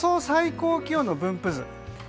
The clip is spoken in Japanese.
最高気温の分布図。